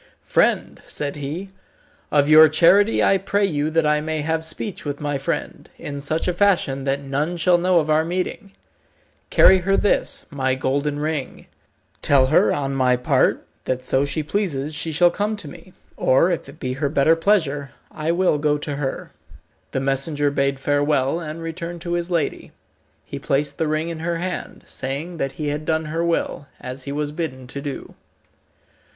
"Friend," said he, "of your charity I pray you that I may have speech with my friend, in such a fashion that none shall know of our meeting. Carry her this, my golden ring. Tell her, on my part, that so she pleases she shall come to me, or, if it be her better pleasure, I will go to her." The messenger bade farewell, and returned to his lady. He placed the ring in her hand, saying that he had done her will, as he was bidden to do.